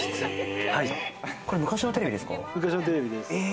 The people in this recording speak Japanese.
これ、昔のテレビですか？